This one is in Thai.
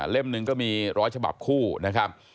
หนึ่งก็มีร้อยฉบับคู่นะครับ